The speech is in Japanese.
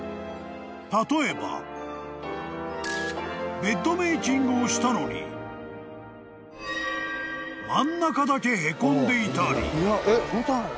［例えばベッドメイキングをしたのに真ん中だけへこんでいたり］